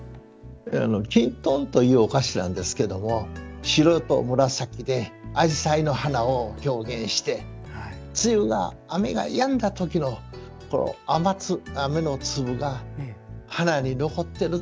きんとんというお菓子なんですけども白と紫で紫陽花の花を表現して露が雨がやんだ時の雨の粒が花に残ってるという風情を見せるわけです。